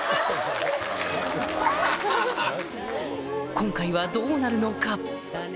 今回はどうなるのか？